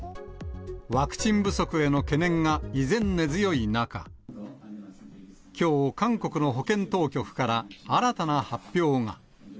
ワクチン不足への懸念が依然根強い中、きょう、韓国の保健当局から新たな発表が。